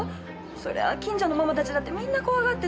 それは近所のママたちだってみんな怖がってて。